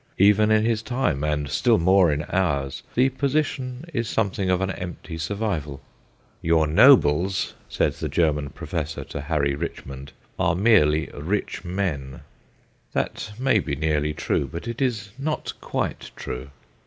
Even in his time, and still more in ours, the position is something of an empty survival. ' Your nobles/ said the German professor to Harry Richmond, ' are merely rich men/ That may be nearly true, but it is not quite true.